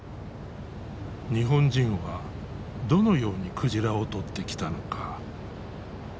日本人はどのように鯨を獲ってきたのか。